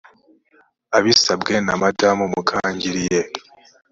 abisabwe na madamu mukangiriye